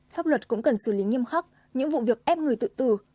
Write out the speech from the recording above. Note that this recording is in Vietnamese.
pháp luật cũng cần xử lý nghiêm khắc những vụ việc ép người tự tử